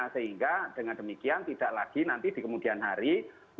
sehingga dengan demikian tidak lagi nanti di kemudian hari muncul lagi solusi